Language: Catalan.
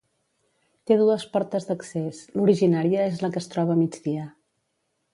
Té dues portes d'accés, l'originària és la que es troba a migdia.